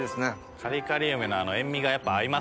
カリカリ梅のあの塩みがやっぱ合いますね。